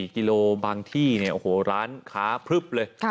๔กิโลเมตรบางที่ร้านขาพลึบเลย